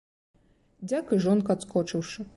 Дзяк і жонка адскочыўшы.